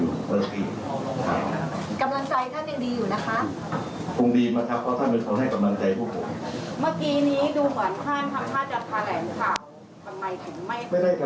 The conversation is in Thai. ท่านค้าเมื่อกี้ที่บอกว่าจะมีการประเมินกันแล้วเบื้องต้นได้มีการประเมินหรือเปล่าว่าจุดก่อนของพรรคคืออะไรคะ